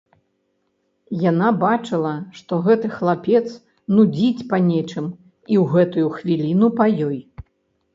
Яна бачыла, што гэты хлапец нудзіць па нечым і ў гэтую хвіліну па ёй.